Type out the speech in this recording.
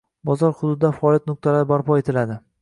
Bozor hududida faoliyat nuqtalari barpo etiladi.